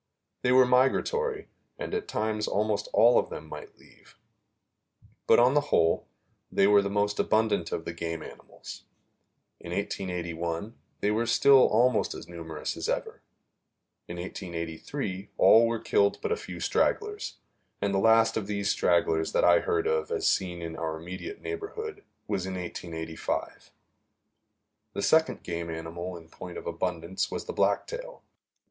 They were migratory, and at times almost all of them might leave; but, on the whole, they were the most abundant of the game animals. In 1881 they were still almost as numerous as ever. In 1883 all were killed but a few stragglers, and the last of these stragglers that I heard of as seen in our immediate neighborhood was in 1885. The second game animal in point of abundance was the blacktail.